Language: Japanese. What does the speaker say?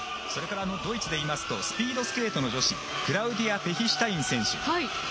それからドイツでいいますとスピードスケートの女子ティヒシュタイン選手。